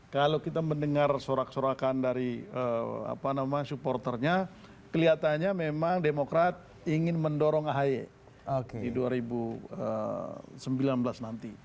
kalau kita mendengar sorak sorakan dari supporternya kelihatannya memang demokrat ingin mendorong ahy di dua ribu sembilan belas nanti